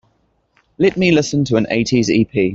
Let me listen to an eighties ep.